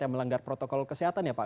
yang melanggar protokol kesehatan ya pak